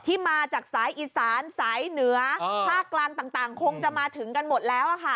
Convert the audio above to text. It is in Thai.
ที่มาจากสายอีสานสายเหนือภาคกลางต่างคงจะมาถึงกันหมดแล้วค่ะ